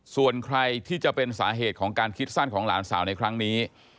ส่วนใครที่จะเป็นสาเหตุของการคิดสั้นของหลานสาวในครั้งนี้